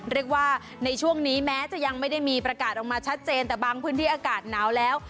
เรียกว่าในช่วงนี้แม้จะยังไม่ได้มีประกาศออกมาชัดเจนแต่บางพื้นที่อากาศหนาวแล้ว